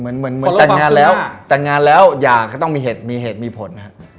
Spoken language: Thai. มันเหมือนแต่งงานแล้วอย่าก็ต้องมีเหตุมีเหตุมีผล